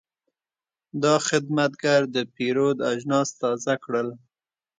دا خدمتګر د پیرود اجناس تازه کړل.